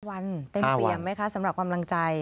วันเต็มเปี่ยมไหมคะสำหรับกำลังใจ